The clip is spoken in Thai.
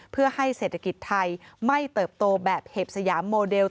เพื่อให้เศรษฐกิจไทยไม่เติบโตแบบเห็บสยามโมเดล